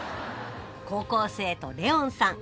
高校生とレオンさん